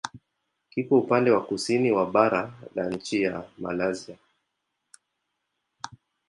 Kiko upande wa kusini wa bara la nchi ya Malaysia.